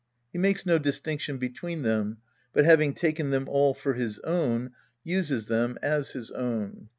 He makes no distinction between , them, but having taken them all for his own, uses them as his own.